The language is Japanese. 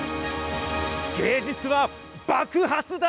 芸術は爆発だ！